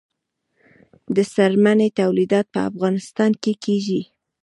د څرمنې تولیدات په افغانستان کې کیږي